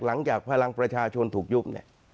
หลังจากภพรังประชาชนถูกยุบ